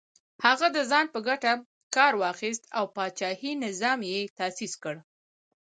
هغه د ځان په ګټه کار واخیست او پاچاهي نظام یې تاسیس کړ.